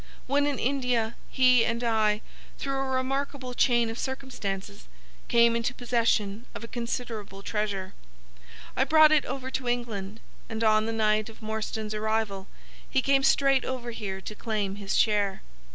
When in India, he and I, through a remarkable chain of circumstances, came into possession of a considerable treasure. I brought it over to England, and on the night of Morstan's arrival he came straight over here to claim his share.